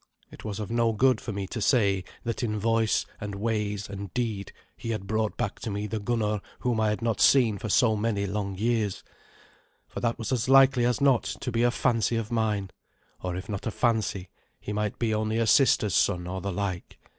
It was of no good for me to say that in voice and ways and deed he had brought back to me the Gunnar whom I had not seen for so many long years, for that was as likely as not to be a fancy of mine, or if not a fancy, he might be only a sister's son or the like.